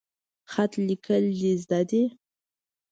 خط لیکل د زده ده؟